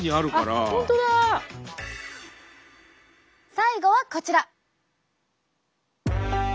最後はこちら。